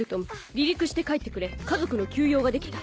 離陸して帰ってくれ家族の急用ができた。